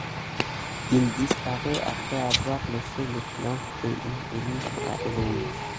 Il disparaît après avoir laissé les plans et une énigme à Héloïse.